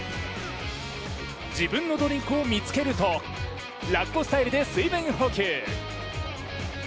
自分のドリンクを見つけると、ラッコスタイルで水分補給。